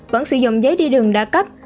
vẫn sử dụng giấy đi đường đa cấp